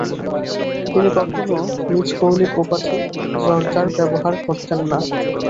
তিনি কখনো নিজ কৌলিক উপাধি জরদার ব্যবহার করতেন না।